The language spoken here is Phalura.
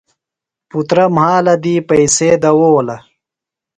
پُترہ مھالہ دی پیئسے دؤولہ۔